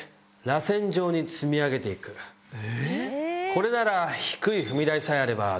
これなら。